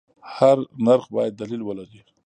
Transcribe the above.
هر نرخ باید دلیل ولري.